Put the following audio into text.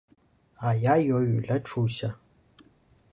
А я ёю лячуся.